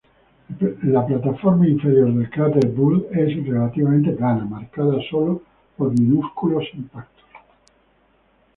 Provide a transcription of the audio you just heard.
La plataforma interior del cráter Boole es relativamente plana, marcada solo por minúsculos impactos.